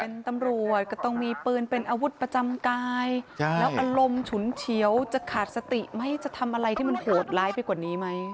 เป็นตำรวจก็ต้องมีปืนเป็นอาวุธประจำกายแล้วอารมณ์ฉุนเฉียวจะขาดสติไหมจะทำอะไรที่มันโหดร้ายไปกว่านี้ไหม